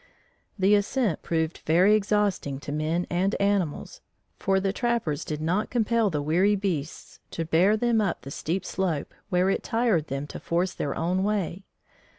The ascent proved very exhausting to men and animals, for the trappers did not compel the weary beasts to bear them up the steep slope where it tired them to force their own way.